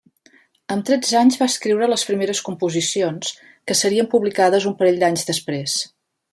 Amb tretze anys va escriure les primeres composicions, que serien publicades un parell d'anys després.